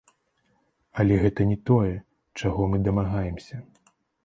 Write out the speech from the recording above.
Але гэта не тое, чаго мы дамагаемся.